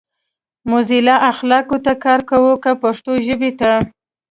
موزیلا اخلاقو ته کار کوي کۀ پښتو ژبې ته؟